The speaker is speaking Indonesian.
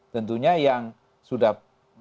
tentunya yang sudah